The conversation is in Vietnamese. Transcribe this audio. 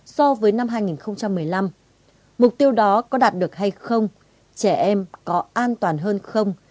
so với năm hai nghìn một mươi năm mục tiêu đó có đạt được hay không trẻ em có an toàn hơn không